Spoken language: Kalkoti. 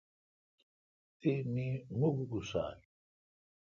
تی می مکھ اکسال۔